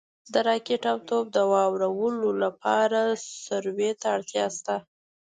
د راکټ او توپ د وارولو لپاره سروې ته اړتیا شته